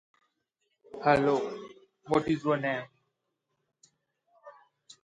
The set included two Faces songs, "You're So Rude" and "Glad and Sorry".